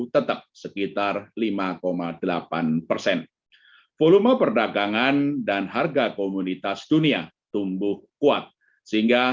dua ribu dua puluh satu tetap sekitar lima delapan persen volume perdagangan dan harga komunitas dunia tumbuh kuat sehingga